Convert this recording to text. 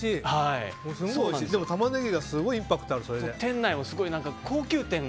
でも、タマネギがすごいインパクトある。